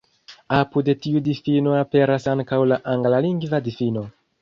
Apud tiu difino aperas ankaŭ la anglalingva difino.